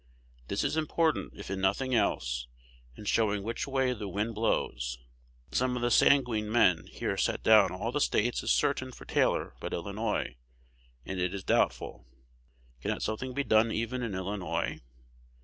This is important, if in nothing else, in showing which way the wind blows. Some of the sanguine men here set down all the States as certain for Taylor but Illinois, and it is doubtful. Cannot something be done even in Illinois?